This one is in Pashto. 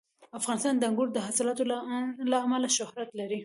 افغانستان د انګورو د حاصلاتو له امله شهرت لري.